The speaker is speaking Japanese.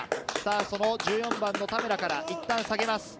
その田村から、いったん下げます。